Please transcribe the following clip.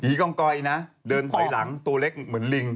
กองกอยนะเดินถอยหลังตัวเล็กเหมือนลิง